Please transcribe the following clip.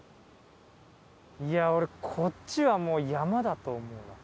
いや俺こっちはもう山だと思う。